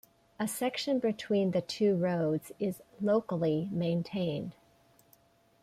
A section between the two roads is locally maintained.